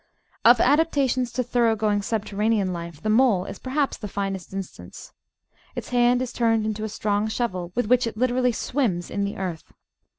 Of adapta tions to thoroughgoing subterranean life the Mole is perhaps the finest instance. Its hand is turned into a strong shovel, with which it literally "swims" in the earth.